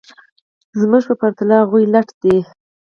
زموږ په پرتله هغوی لټ دي